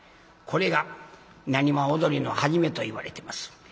これが浪花踊りの初めといわれてます。